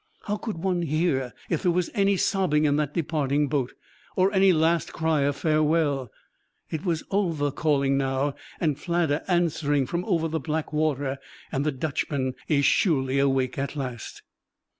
How could one hear if there was any sobbing in that departing boat, or any last cry of farewell? It was Ulva calling now, and Fladda answering from over the black water; and the Dutchman is surely awake at last!